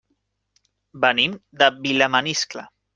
Venim de Vilamaniscle.